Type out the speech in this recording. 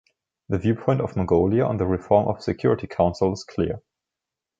The viewpoint of Mongolia on the reform of Security Council is clear.